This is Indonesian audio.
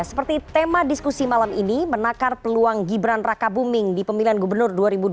seperti tema diskusi malam ini menakar peluang gibran raka buming di pemilihan gubernur dua ribu dua puluh